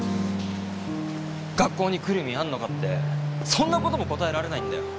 学校に来る意味あんのかってそんなことも答えられないんだよ？